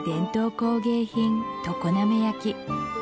工芸品常滑焼